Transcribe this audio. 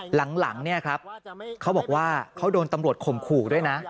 หลังเนี่ยครับเขาบอกว่าเขาโดนตำรวจข่มขู่ด้วยนะ